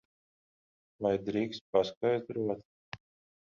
Vai drīkstu paskaidrot?